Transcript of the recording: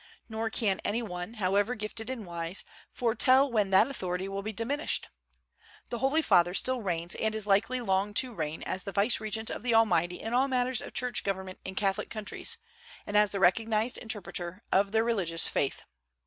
Nor can any one, however gifted and wise, foretell when that authority will be diminished. "The Holy Father" still reigns and is likely long to reign as the vicegerent of the Almighty in all matters of church government in Catholic countries, and as the recognized interpreter of their religious faith.